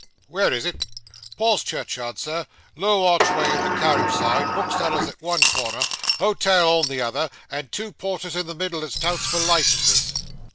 'Where is it?' 'Paul's Churchyard, Sir; low archway on the carriage side, bookseller's at one corner, hotel on the other, and two porters in the middle as touts for licences.